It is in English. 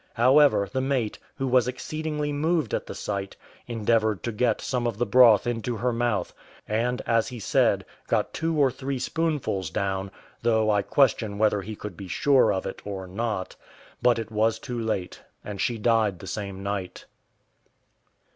However, the mate, who was exceedingly moved at the sight, endeavoured to get some of the broth into her mouth, and, as he said, got two or three spoonfuls down though I question whether he could be sure of it or not; but it was too late, and she died the same night.